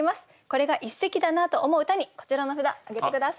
これが一席だなと思う歌にこちらの札挙げて下さい。